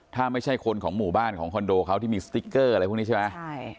ถ้าไม่ใช่คนของหมู่บ้านของคอนโดเขาที่มีสติ๊กเกอร์อะไรพวกนี้ใช่ไหมใช่